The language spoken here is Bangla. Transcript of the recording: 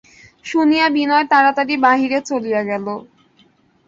শুনিয়া বিনয় তাড়াতাড়ি বাহিরে চলিয়া গেল।